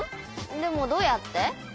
でもどうやって？